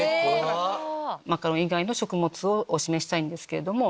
マカロン以外の食物をお示ししたいんですけども。